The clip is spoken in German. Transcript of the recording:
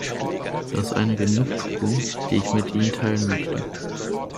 Das ist eine Genugtuung, die ich mit Ihnen teilen möchte.